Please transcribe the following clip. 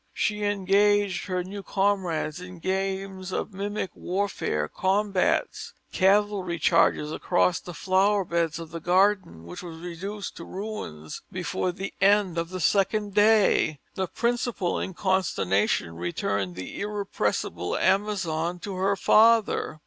She engaged her new comrades in games of mimic warfare, combats, cavalry charges across the flower beds of the garden which was reduced to ruins before the end of the second day. The principal in consternation returned the irrepressible amazon to her father.